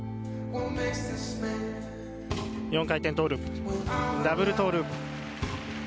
４回転トゥループダブルトゥループ。